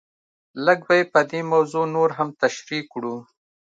لږ به یې په دې موضوع نور هم تشریح کړو.